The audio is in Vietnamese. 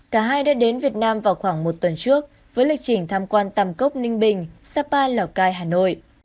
cả hai đã đến việt nam vào khoảng một tuần trước với lịch trình tham quan tàm cốc ninh bình sapa lào cai hà nội